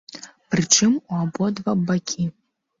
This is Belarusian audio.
Прычым, у абодва бакі.